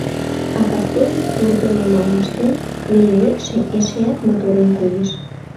А кастене вургемым алмаштен мийымекше, эшеат моторын коеш.